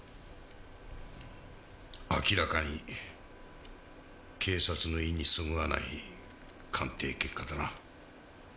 明らかに警察の意にそぐわない鑑定結果だな。